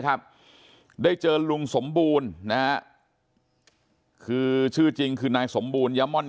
ครับได้เจอลุงสมบูรณ์นะฮะคือชื่อจริงคือนายสมบูรณยาม่อน